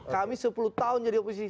kami sepuluh tahun jadi oposisi